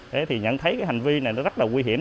thế thì nhận thấy hành vi này rất là nguy hiểm